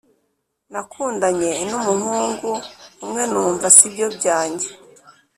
Nakundanye numuhungu umwe numva sibyo byanjye